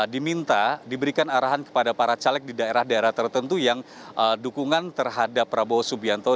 diminta diberikan arahan kepada para caleg di daerah daerah tertentu yang dukungan terhadap prabowo subianto